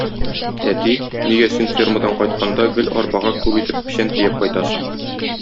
Әти, нигә син фермадан кайтканда гел арбага күп итеп печән төяп кайтасың?